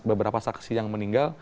beberapa saksi yang meninggal